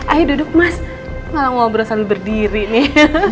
ayo duduk mas malah mau berasa berdiri nih